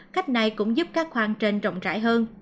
cách này cũng giúp các khoang trên rộng rãi hơn